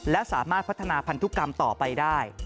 และสามารถพัฒนาพันธุกรรมต่อไปได้